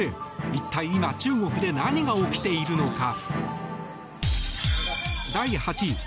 一体今、中国で何が起きているのか。